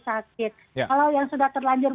sakit kalau yang sudah terlanjur